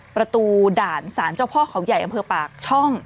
ประตูด่านสารเจ้าพ่อเขาใหญ่อำเภอปากช่อง